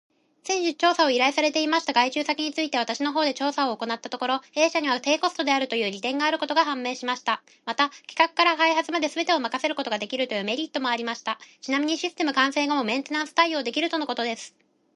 先日調査を依頼されていました外注先について、私の方で調査を行ったところ、A 社には低コストであるという利点があることが判明しました。また、企画から開発まですべてを任せることができるというメリットもありました。ちなみにシステム完成後もメンテナンス対応できるとのことです。